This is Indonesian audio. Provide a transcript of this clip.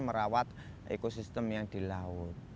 merawat ekosistem yang di laut